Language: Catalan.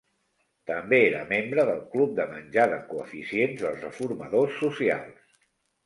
També era membre del club de menjar de Coeficients dels reformadors socials.